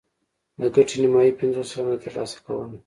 د ګټې نیمايي پنځوس سلنه یې ترلاسه کوله